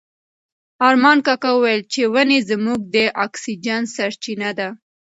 ارمان کاکا وویل چې ونې زموږ د اکسیجن سرچینه ده.